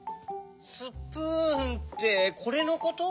スプーンってこれのこと？